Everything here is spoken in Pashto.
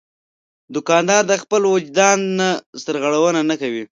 دوکاندار د خپل وجدان نه سرغړونه نه کوي.